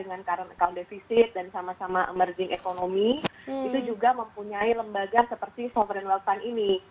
dengan current account deficit dan sama sama emerging economy itu juga mempunyai lembaga seperti sovereig wealth fund ini